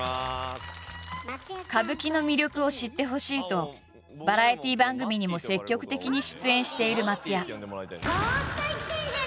歌舞伎の魅力を知ってほしいとバラエティー番組にも積極的に出演している松也。